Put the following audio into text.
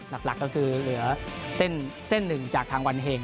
หลักก็คือเหลือเส้น๑จากทางวรรเหง